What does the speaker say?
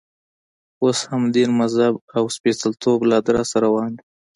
اوس هم دین، مذهب او سپېڅلتوب له ادرسه روان دی.